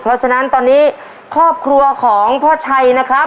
เพราะฉะนั้นตอนนี้